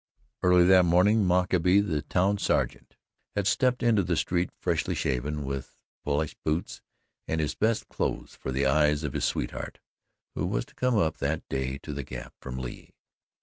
Early that morning, Mockaby, the town sergeant, had stepped into the street freshly shaven, with polished boots, and in his best clothes for the eyes of his sweetheart, who was to come up that day to the Gap from Lee.